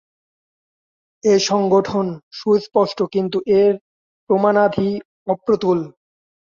এ সংঘটন সুস্পষ্ট কিন্তু এর প্রমাণাদি অপ্রতুল।